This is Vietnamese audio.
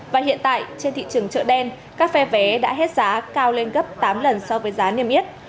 và hiện tại trên thị trường chợ đen các phe vé đã hết giá cao lên gấp tám lần so với giá niêm yết